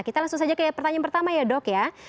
kita langsung saja ke pertanyaan pertama ya dok ya